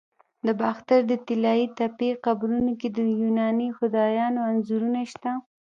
د باختر د طلایی تپې قبرونو کې د یوناني خدایانو انځورونه شته